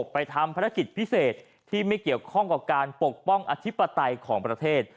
ไปทำภารกิจพิเศษที่ไม่เกี่ยวข้องกับการปกป้องอธิปไตยของประเทศ